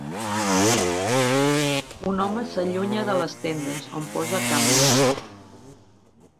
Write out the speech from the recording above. Un home s'allunya de les tendes, on posa "Camden".